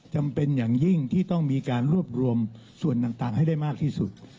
จำเป็นอย่างยิ่งที่ต้องมีการรวบรวมส่วนต่างให้ได้มากที่สุด